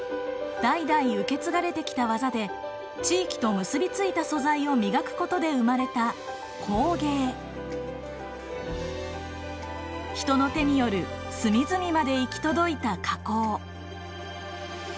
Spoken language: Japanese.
代々受け継がれてきた技で地域と結び付いた素材を磨くことで生まれた人の手による隅々まで行き届いた加工。